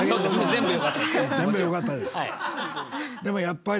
全部よかったです！